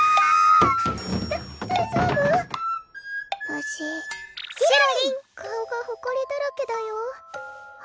無事顔がほこりだらけだよ